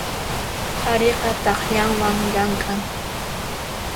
Qhariqa takllawan llamk'an.